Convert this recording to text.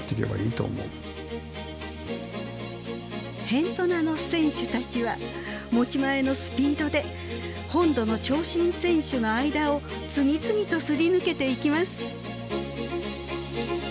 辺土名の選手たちは持ち前のスピードで本土の長身選手の間を次々とすり抜けていきます。